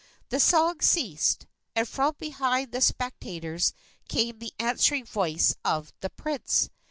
The song ceased, and from behind the spectators came the answering voice of the prince.